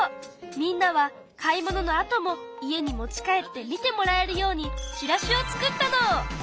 みんなは買い物のあとも家に持ち帰って見てもらえるようにチラシを作ったの！